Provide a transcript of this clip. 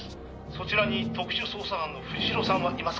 「そちらに特殊捜査班の藤代さんはいますか？」